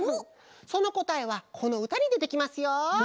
そのこたえはこのうたにでてきますよ！